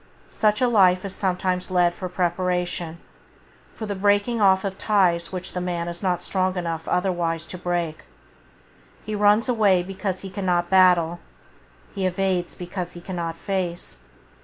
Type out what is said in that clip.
Such a life is sometimes led for preparation, for the [Page 9] breaking off of ties which the man is not strong enough otherwise to break. He runs away because he cannot battle, he evades because he cannot face.